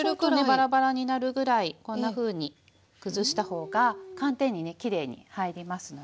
バラバラになるぐらいこんなふうにくずした方が寒天にねきれいに入りますので。